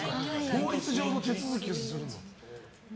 法律上の手続きをするのは？